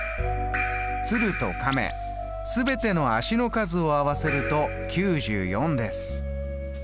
鶴と亀全ての足の数を合わせると９４です。